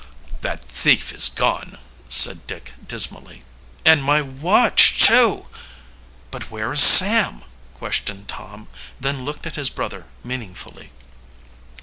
"That thief is gone," said Dick dismally. "And my watch too!" "But where is Sam?" questioned Tom, then looked at his brother meaningfully.